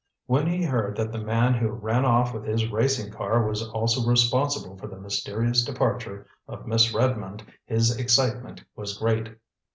When he heard that the man who ran off with his racing car was also responsible for the mysterious departure of Miss Redmond, his excitement was great.